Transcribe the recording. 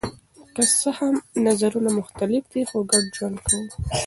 که څه هم نظرونه مختلف دي خو ګډ ژوند کوو.